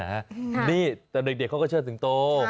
ดูนี่แต่เด็กเขาก็เชิญสิงโต